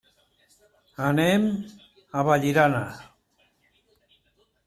Anem a Vallirana.